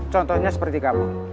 contohnya seperti kamu